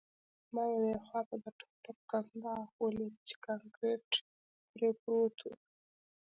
ما یوې خواته د ټوپک کنداغ ولید چې کانکریټ پرې پروت و